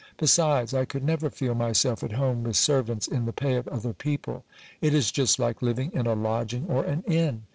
Besides, I could never feel myself at home with serv ants in the pay of other people ; it is just like living in a lodging or an inn.